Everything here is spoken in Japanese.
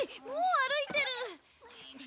もう歩いてる！